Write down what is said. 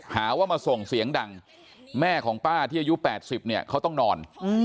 หาว่ามาส่งเสียงดังแม่ของป้าที่อายุ๘๐เนี่ยเขาต้องนอน